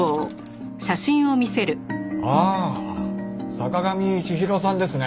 坂上千尋さんですね。